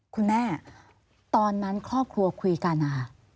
คุณแม่ตอนนั้นครอบครัวคุยกันนะคะ